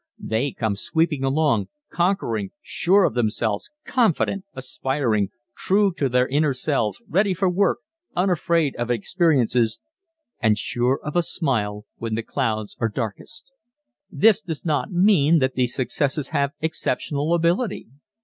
They come sweeping along, conquering, sure of themselves, confident, aspiring, true to their inner selves, ready for work, unafraid of experiences, and sure of a smile when the clouds are darkest. This does not mean that these successes have exceptional ability.